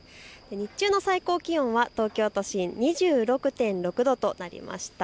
日中の最高気温は東京都心２６．６度となりました。